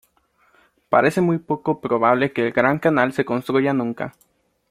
Parece muy poco probable que el Gran Canal se construya nunca.